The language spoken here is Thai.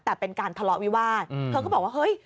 แต่เป็นการทะเลาะวิวาสเธอก็บอกว่าเฮ้ย